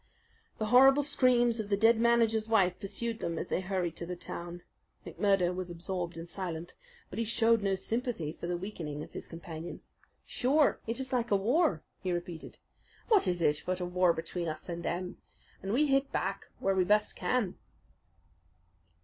The horrible screams of the dead manager's wife pursued them as they hurried to the town. McMurdo was absorbed and silent; but he showed no sympathy for the weakening of his companion. "Sure, it is like a war," he repeated. "What is it but a war between us and them, and we hit back where we best can."